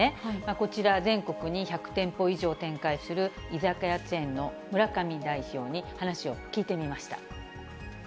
こちら、全国に１００店舗以上展開する、居酒屋チェーンの村上代表に話を聞いてみました。